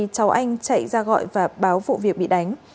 cháu anh chạy ra gọi và báo vụ việc bị đánh